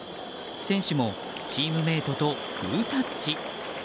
選手もチームメートとグータッチ。